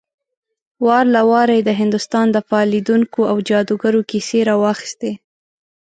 وار له واره يې د هندوستان د فال ليدونکو او جادوګرانو کيسې راواخيستې.